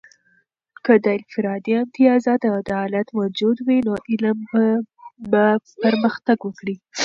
که د انفرادي امتیازات او عدالت موجود وي، نو علم به پرمختګ وکړي.